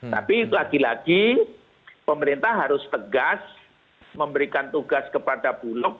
tapi lagi lagi pemerintah harus tegas memberikan tugas kepada bulog